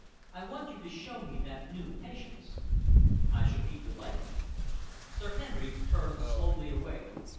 "I want you to show me that new Patience." "I shall be delighted." Sir Henry turned slowly away.